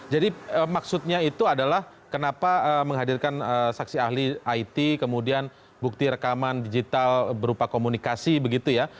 jadi maksudnya itu adalah kenapa menghadirkan saksi ahli it kemudian bukti rekaman digital berupa komunikasi begitu ya